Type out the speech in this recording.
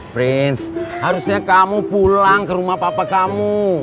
prince harusnya kamu pulang ke rumah papa kamu